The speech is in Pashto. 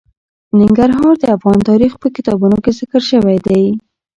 ننګرهار د افغان تاریخ په کتابونو کې ذکر شوی دي.